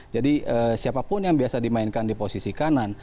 jadi siapapun yang biasa dimainkan di posisi kanan